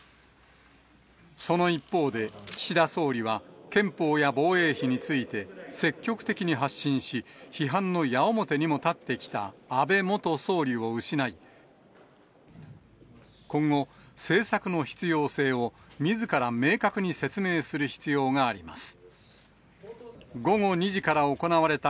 その一方で、岸田総理は憲法や防衛費について、積極的に発信し、批判の矢面にも立ってきた安倍元総理を失い、今後、政策の必要性をみずから明確に説明する必要があります。